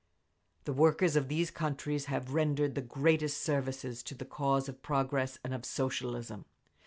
The workers of these countries have rendered the greatest services to the cause of progress and of Socialism.